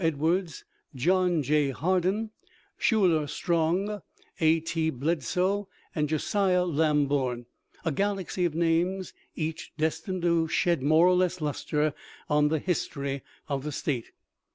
Edwards, John J. Hardin, Schuyler Strong, A. T. Bledsoe, and Josiah Lamborn — a galaxy of names, each destined to shed more or less lustre on the history of the State.